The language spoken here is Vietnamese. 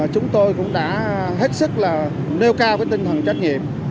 chúng tôi cũng đã hết sức nêu cao tinh thần trách nhiệm